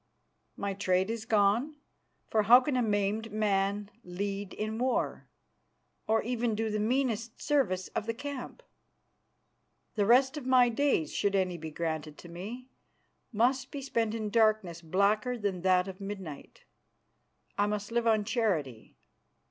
My trade is gone, for how can a maimed man lead in war, or even do the meanest service of the camp? The rest of my days, should any be granted to me, must be spent in darkness blacker than that of midnight. I must live on charity.